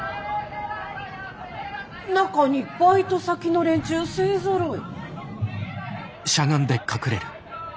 中にバイト先の連中勢ぞろい。